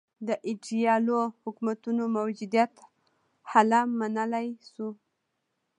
د ایدیالو حکومتونو موجودیت هله منلای شو.